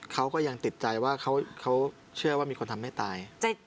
เขาก็ยังติดใจว่าเขาเชื่อว่ามีคนทำให้ตาย